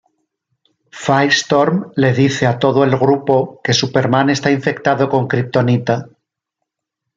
Firestorm le dice a todo el grupo que Superman está infectado con Kryptonita.